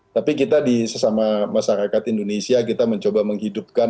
tapi kita di sesama masyarakat indonesia kita mencoba menghidupkan